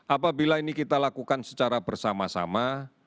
apabila ini kita lakukan secara bersama sama